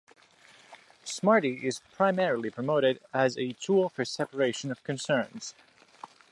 Smarty is primarily promoted as a tool for separation of concerns.